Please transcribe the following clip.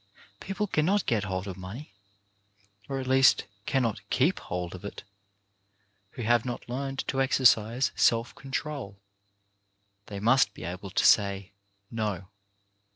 People cannot get hold of money — or at least cannot keep hold of it — who have not learned to exercise self control. They must be able to say "No.